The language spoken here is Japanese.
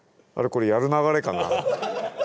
これやる流れかな？